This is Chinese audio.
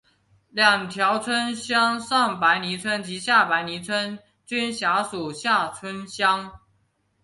两条主要乡村上白泥村及下白泥村均辖属厦村乡。